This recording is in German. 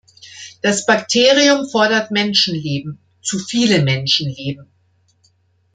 Das Bakterium fordert Menschenleben, zu viele Menschenleben!